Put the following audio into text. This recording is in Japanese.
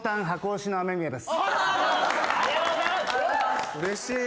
ありがとうございます嬉しい